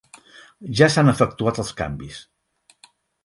Ja s'han efectuat els canvis.